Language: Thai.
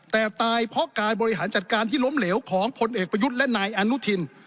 แต่ตายเพราะการบริหารจัดการที่ล้มเหลวของพลเอกประยุทธ์และนายอนุทิน